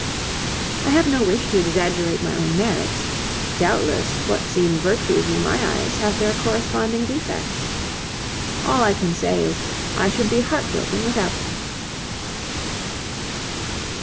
I have no wish to exaggerate my own merits; doubtless what seem virtues in my eyes have their corresponding defects. All I can say is, I should be heartbroken without them."